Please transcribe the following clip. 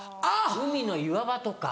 海の岩場とか。